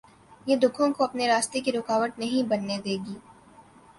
یہ دکھوں کو اپنے راستے کی رکاوٹ نہیں بننے دے گی۔